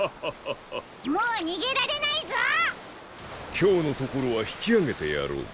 きょうのところはひきあげてやろう。